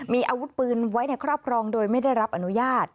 มีอาวุธปืนไว้ในครอบครองโดยไม่ได้รับอนุญาต